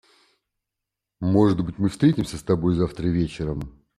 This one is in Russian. Может быть, мы встретимся с тобой завтра вечером?